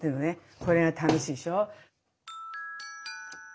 これが楽しいでしょ。